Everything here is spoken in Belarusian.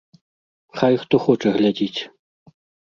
Хай, хто хоча, глядзіць.